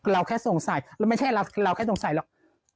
เราแค่สงสัยเราไม่ใช่เราแค่สงสัยหรอก